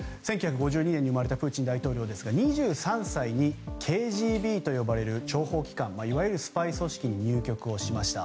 １９５２年に生まれたプーチン大統領ですが２３歳にＫＧＢと呼ばれる諜報機関いわゆるスパイ組織に入局しました。